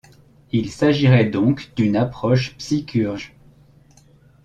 Il s'agirait donc d'une approche psychurge.